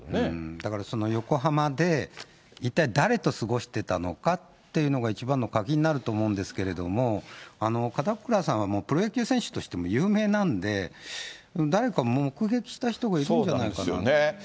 だから横浜で、一体誰と過ごしていたのかっていうのが一番の鍵になると思うんですけれども、門倉さんはプロ野球選手としても有名なんで、誰か目撃した人がいるんじゃないかな。